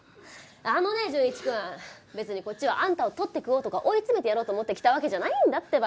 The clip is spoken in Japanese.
あのね潤一くん別にこっちはあんたを取って食おうとか追い詰めてやろうと思って来たわけじゃないんだってば。